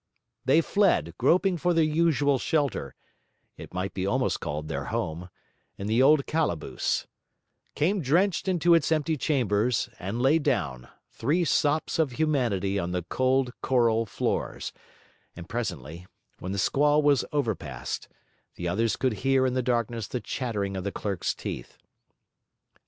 They fled, groping for their usual shelter it might be almost called their home in the old calaboose; came drenched into its empty chambers; and lay down, three sops of humanity on the cold coral floors, and presently, when the squall was overpast, the others could hear in the darkness the chattering of the clerk's teeth.